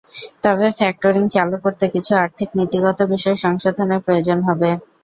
তবে ফ্যাক্টরিং চালু করতে কিছু আর্থিক নীতিগত বিষয় সংশোধনের প্রয়োজন হবে।